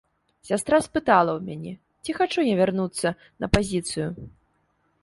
Сястра спыталася ў мяне, ці хачу я вярнуцца на пазіцыю.